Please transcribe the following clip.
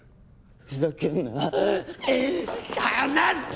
ふざけんな放せ！